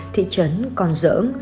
thị trấn con dỡng